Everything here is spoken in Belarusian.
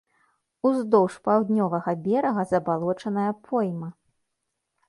Уздоўж паўднёвага берага забалочаная пойма.